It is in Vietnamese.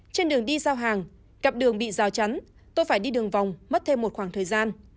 trên đường đi giao hàng cặp đường bị rào chắn tôi phải đi đường vòng mất thêm một khoảng thời gian